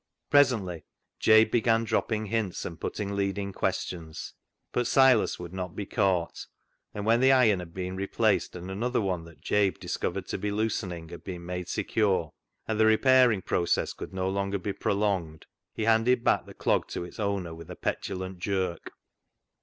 Presently Jabe began dropping hints, and putting leading questions, but Silas would not be caught, and when the iron had been replaced, and another one that Jabe discovered to be " loosening " had been made secure, and the repairing process could no longer be prolonged, "THE ZEAL OF THINE HOUSE" 317 he handed back the clog to its owner with a I petulant jerk.